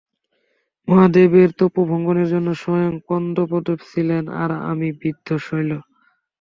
মহাদেবের তপোভঙ্গের জন্যে স্বয়ং কন্দর্পদেব ছিলেন, আর আমি বৃদ্ধ– শৈল।